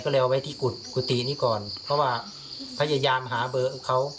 ก็เลยเอาไว้ที่กุฎกุฏินี้ก่อนเพราะว่าพยายามหาเบอร์เขา